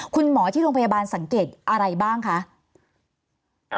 คุณหมอที่โรงพยาบาลสังเกตอะไรบ้างคะ